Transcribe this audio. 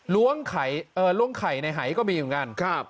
ล้วงไข่ในไหก็มีเหมือนกันครับ